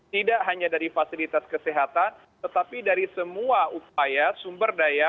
tidak hanya dari fasilitas kesehatan tetapi dari semua upaya sumber daya